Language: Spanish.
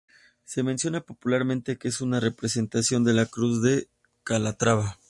Se menciona popularmente que es una representación de la Cruz de Calatrava.